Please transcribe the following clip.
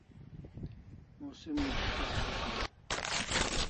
Musim much'ikas thi shiau